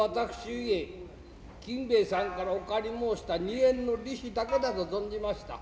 故金兵衛さんからお借り申した二円の利子だけだと存じました。